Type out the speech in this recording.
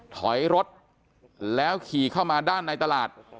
ถอยรถแล้วขี่เข้ามาด้านในตลาด